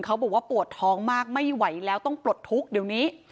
เขาบอกว่าปวดท้องมากไม่ไหวแล้วต้องปลดทุกข์เดี๋ยวนี้